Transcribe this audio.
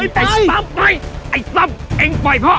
ไปไปไอ้ต้มไปไอ้ต้มเองปล่อยพ่อ